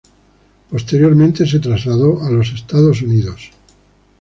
Posteriormente, se trasladó a los Estados Unidos.